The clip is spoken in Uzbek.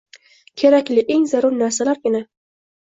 Kerakli, eng zarur narsalargina